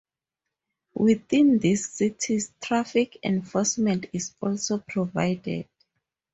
Within these cities, traffic enforcement is also provided.